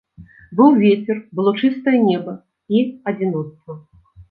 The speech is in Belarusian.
Быў вецер, было чыстае неба і адзіноцтва.